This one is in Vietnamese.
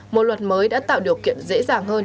một luật mới đã tạo điều kiện dễ dàng hơn